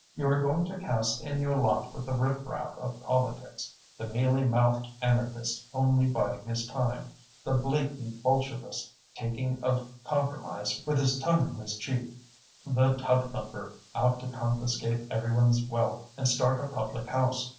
You are going to cast in your lot with the riffraff of politics, the mealy mouthed anarchist only biding his time, the blatant Bolshevist talking of compromise with his tongue in his cheek, the tub thumper out to confiscate every one's wealth and start a public house.